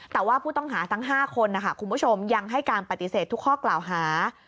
แต่ว่าผู้ต้องหาทั้ง๕คนนะคะคุณผู้ชมยังให้การปฏิเสธทุกข้อกล่าวหา